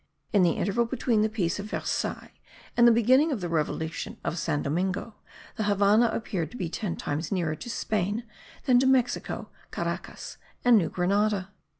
In the interval between the peace of Versailles and the beginning of the revolution of San Domingo, the Havannah appeared to be ten times nearer to Spain than to Mexico, Caracas and New Grenada.